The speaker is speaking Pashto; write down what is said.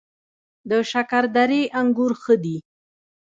د شکردرې انګور ښه دي